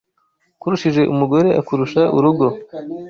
Ukurushije umugore akurusha urugo